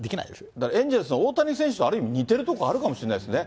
だからエンジェルスの大谷選手とある意味似てるとこあるかもしれないですよね。